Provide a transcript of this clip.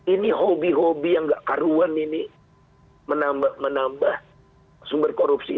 ini hobi hobi yang gak karuan ini menambah sumber korupsi